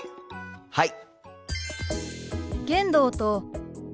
はい！